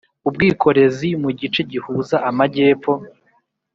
ubwikorezi mu gice gihuza Amajyepfo